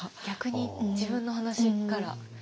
逆に自分の話から。